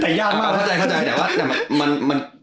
แต่ยากมาก